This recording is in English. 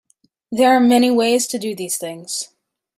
There are many ways to do these things.